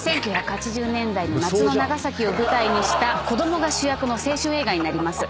１９８０年代の夏の長崎を舞台にした子供が主役の青春映画になります。